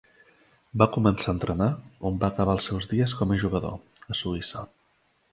Va començar a entrenar on va acabar els seus dies com a jugador, a Suïssa.